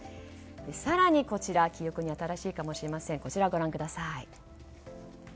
更にこちら記憶に新しいかもしれません、ご覧ください。